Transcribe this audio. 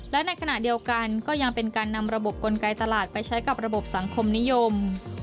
และในขณะเดียวกันก็ยังเป็นการนำระบบกลไกตลาดไปใช้กับระบบสังคมนิยม